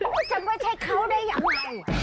จะไม่ใช่เขาได้ยังไง